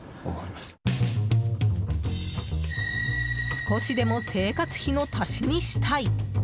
少しでも生活費の足しにしたい。